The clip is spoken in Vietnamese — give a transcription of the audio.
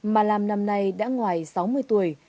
ma lam năm nay đã ngoài sáu mươi tuổi